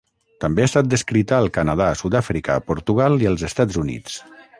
També ha estat descrita al Canadà, Sud-àfrica, Portugal i els Estats Units.